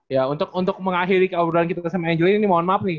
ya untuk mengakhiri obrolan kita sama angelina ini mohon maaf nih